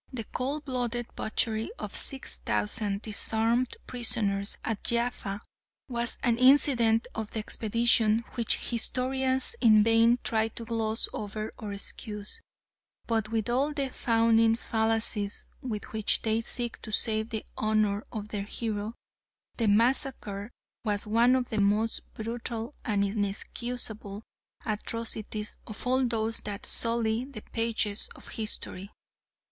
The cold blooded butchery of six thousand disarmed prisoners at Jaffa was an incident of the expedition which historians in vain try to gloss over or excuse, but with all the fawning fallacies with which they seek to save the honour of their hero, the massacre was one of the most brutal and inexcusable atrocities of all those that sully the pages of history.